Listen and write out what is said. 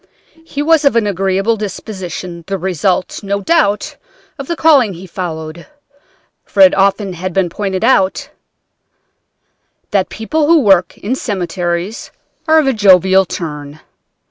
He was of an agreeable disposition, the result, no doubt, of the calling he followed, for it has often been pointed out that people who work in cemeteries are of a jovial turn.